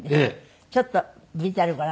ちょっとＶＴＲご覧ください。